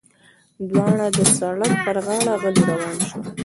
دواړه د سړک پر غاړه غلي روان شول.